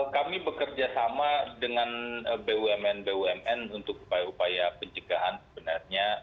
kami bekerja sama dengan bumn bumn untuk upaya upaya pencegahan sebenarnya